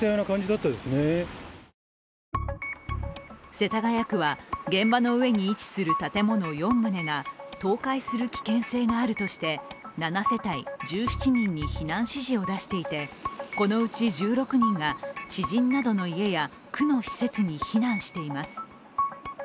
世田谷区は、現場の上に位置する建物４棟が倒壊する危険性があるとして７世帯１７人に避難指示を出していてこのうち１６人が知人などの家や区の施設に避難しています。